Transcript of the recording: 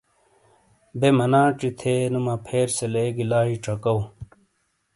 بے مناچی تھے نو مپھیر سے لیگی لائی چکاؤ۔